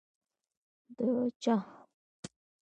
ـ د چا؟!